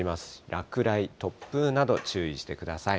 落雷、突風など、注意してください。